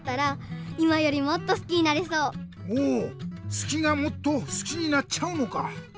すきがもっとすきになっちゃうのか。